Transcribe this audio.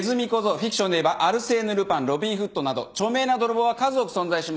フィクションでいえばアルセーヌ・ルパンロビン・フッドなど著名な泥棒は数多く存在します。